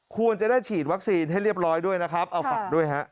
ควรจะได้ฉีดวัคซีนให้เรียบร้อยด้วยนะครับเอาฝากด้วยฮะ